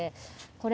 これ。